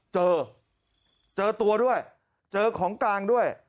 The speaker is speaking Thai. เจอเจอตัวด้วยเจอของกลางด้วย